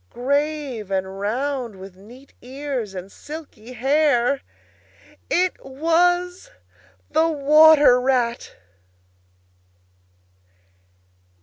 Grave and round, with neat ears and silky hair. It was the Water Rat!